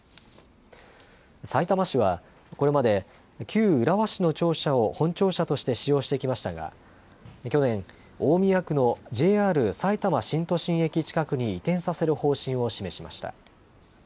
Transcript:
さいたま市は、これまで旧浦和市の庁舎を本庁舎として使用してきましたが、去年、大宮区のＪＲさいたま新都心駅近くに移転させる方針を示しました。